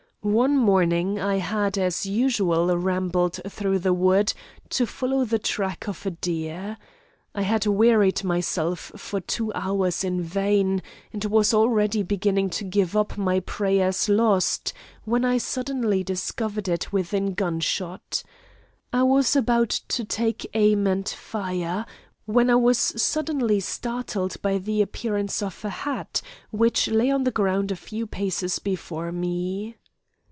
One morning I had, as usual rambled through the wood, to follow the track of a deer. I had wearied myself for two hours in vain, and was already beginning to give up my prey as lost, when I suddenly discovered it within gun shot. I was about to take aim and fire, when I was suddenly startled by the appearance of a hat which lay on the ground a few paces before me.